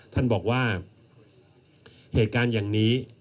ท่านบอกว่าเหตุการณ์อย่างนี้